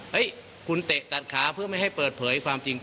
เฮ้ยคุณเตะตัดขาเพื่อไม่ให้เปิดเผยความจริง